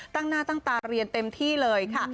ตั้งหน้าตั้งตาเรียนเต็มที่เลยค่ะ